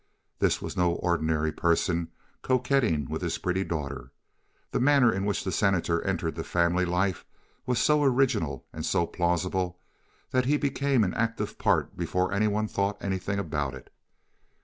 This was no ordinary person coquetting with his pretty daughter. The manner in which the Senator entered the family life was so original and so plausible that he became an active part before any one thought anything about it.